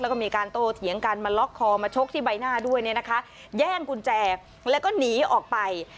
แล้วก็มีการโตเถียงกันมาล็อกคอมาชกที่ใบหน้าด้วยเนี่ยนะคะแย่งกุญแจแล้วก็หนีออกไป